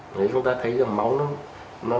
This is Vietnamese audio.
nếu chúng ta thấy rằng máu nó